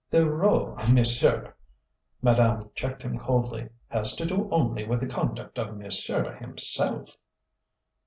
"The row, monsieur," madame checked him coldly, "has to do only with the conduct of monsieur himself?"